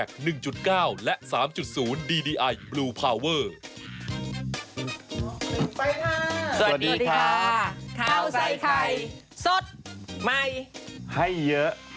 ข่าวใส่ไข่สดใหม่ให้เยอะ